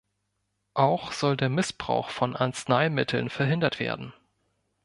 Auch soll der Missbrauch von Arzneimitteln verhindert werden.